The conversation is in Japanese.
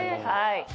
はい。